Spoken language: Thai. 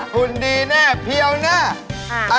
หุ่นดีแน่เพี้ยวหน้า